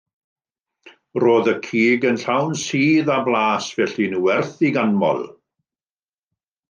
Roedd y cig yn llawn sudd a blas felly'n werth ei ganmol.